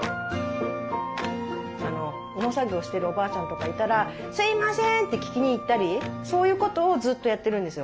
農作業してるおばあちゃんとかいたら「すいません！」って聞きに行ったりそういうことをずっとやってるんですよ。